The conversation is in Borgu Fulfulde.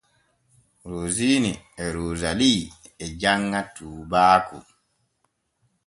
Rosiini e Roosalii e janŋa tuubaaku.